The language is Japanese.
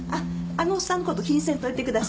あのおっさんのこと気にせんといてください。